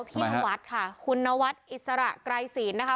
พี่พิวนาวัดค่ะคุณนาวัดอิสระไกรศีลนะคะ